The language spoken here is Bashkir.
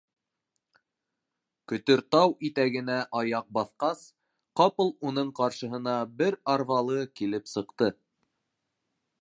Көтөртау итәгенә аяҡ баҫҡас, ҡапыл уның ҡаршыһына бер арбалы килеп сыҡты.